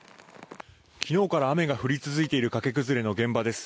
昨日から雨が降り続いている崖崩れの現場です。